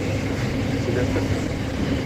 Сөйләштекме?